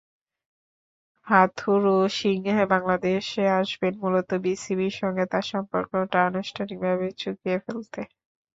হাথুরুসিংহে বাংলাদেশে আসবেন মূলত বিসিবির সঙ্গে তাঁর সম্পর্কটা আনুষ্ঠানিকভাবে চুকিয়ে ফেলতে।